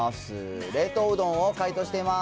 冷凍うどんを解凍しています。